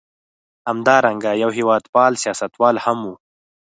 همدارنګه یو هېواد پال سیاستوال هم و.